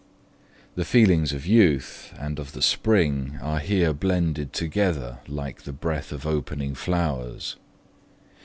The feelings of youth and of the spring are here blended together like the breath of opening flowers.